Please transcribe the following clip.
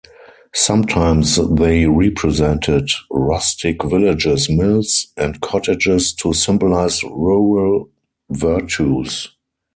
Sometimes they represented rustic villages, mills, and cottages to symbolise rural virtues.